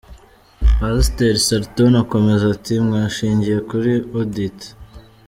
Pasiteri Salton akomeza ati “Mwashingiye kuri Audit.